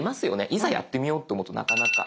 いざやってみようと思うとなかなか。